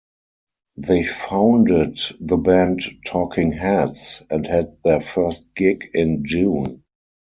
They founded the band Talking Heads and had their first gig in June.